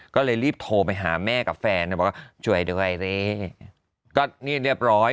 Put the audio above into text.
ก็เลยรีบโทรไปหาแม่กับแฟนบอกว่าช่วยด้วยก็นี่เรียบร้อย